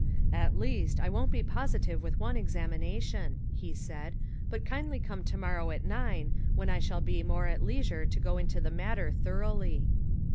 "At least, I won't be positive with one examination," he said; "but kindly come to morrow at nine, when I shall be more at leisure to go into the matter thoroughly."